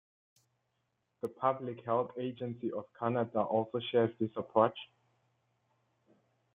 The Public Health Agency of Canada also shares this approach.